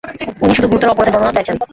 উনি শুধু গুরুতর অপরাধের বর্ণনা চায়ছেন।